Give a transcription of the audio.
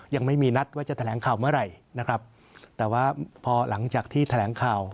ยังไม่มีนัดว่าจะแถลงข่าวเมื่อไหร่นะครับแต่ว่าพอหลังจากที่แถลงข่าว